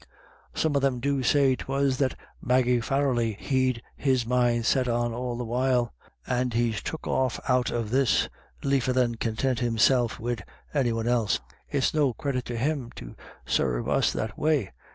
" Some of them do say 'twas that Maggie Farrelly he'd his mind set on all the while, and he's took off out of this liefer than contint himself wid any one else. It's no credit to him to sarve us that way.